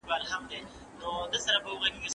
هلک په لوړ غږ چیغې وهلې او خونې ته راننووت.